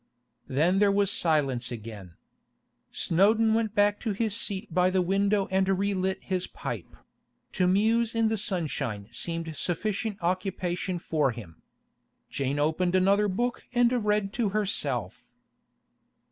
Then there was silence again. Snowdon went back to his seat by the window and relit his pipe; to muse in the sunshine seemed sufficient occupation for him. Jane opened another book and read to herself.